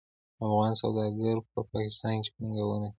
افغان سوداګرو په پاکستان پانګونه کړې.